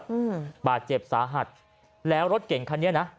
อืมบาดเจ็บสาหัสแล้วรถเก่งคันนี้นะ